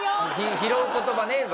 拾う言葉ねえぞ。